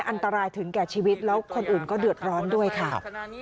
อันตรายถึงแก่ชีวิตแล้วคนอื่นก็เดือดร้อนด้วยค่ะ